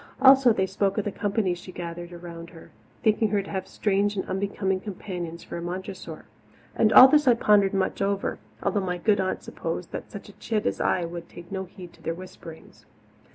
Also they spoke of the company she gathered around her, thinking her to have strange and unbecoming companions for a Montressor. All this I heard and pondered much over, although my good aunts supposed that such a chit as I would take no heed to their whisperings.